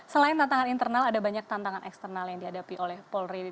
selain tantangan internal ada banyak tantangan eksternal yang dihadapi oleh polri